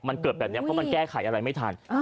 มันเกิดแบบนี้เพราะมันแก้ไขอะไรไม่ทัน